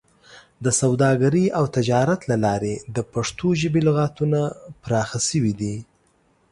د سوداګرۍ او تجارت له لارې د پښتو ژبې لغتونه پراخه شوي دي.